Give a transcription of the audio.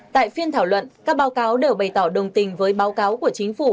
tại phiên thảo luận các báo cáo đều bày tỏ đồng tình với báo cáo của chính phủ